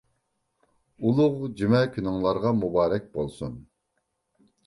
ئۇلۇغ جۈمە كۈنۈڭلارغا مۇبارەك بولسۇن!